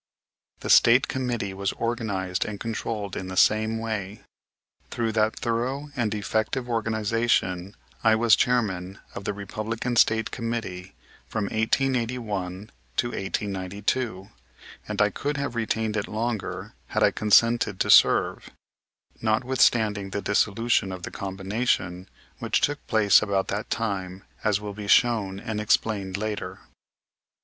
The State committee was organized and controlled in the same way. Through that thorough and effective organization I was Chairman of the Republican State Committee from 1881 to 1892, and I could have retained it longer had I consented to serve; notwithstanding the dissolution of the combination, which took place about that time, as will be shown and explained later.